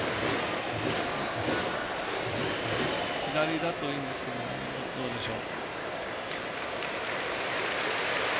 左だといいんですけどどうでしょう。